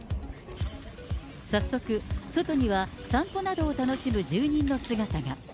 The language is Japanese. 早速、外には散歩などを楽しむ住人の姿が。